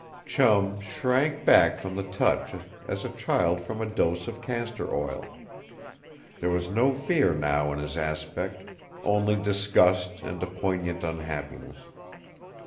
Chum shrank back from the touch as a child from a dose of castor oil. There was no fear now in his aspect. Only disgust and a poignant unhappiness.